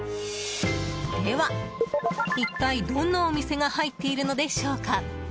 では、一体どんなお店が入っているのでしょうか？